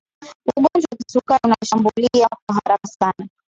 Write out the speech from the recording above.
ugonjwa wa kisukari unashambulia kwa haraka sana